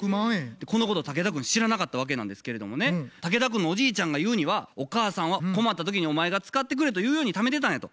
このこと竹田くん知らなかったわけなんですけれどもね竹田くんのおじいちゃんが言うには「お母さんは困った時にお前が使ってくれというようにためてたんや」と。